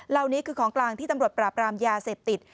เหล่านี้คือของกลางที่ตำรวจปราบรามยาเสพติด